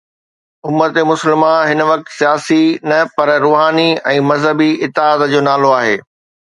امت مسلمه هن وقت سياسي نه پر روحاني ۽ مذهبي اتحاد جو نالو آهي.